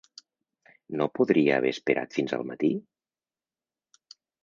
No podria haver esperat fins al matí?